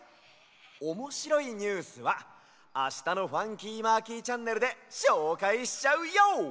おもしろいニュースはあしたの「ファンキーマーキーチャンネル」でしょうかいしちゃうＹＯ！